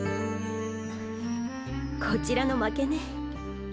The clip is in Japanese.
こちらの負けね。